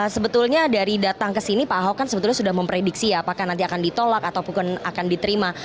sebetulnya dari datang ke sini pak ahokan sudah memprediksi apakah nanti akan ditolak atau akan diterima